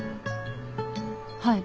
はい。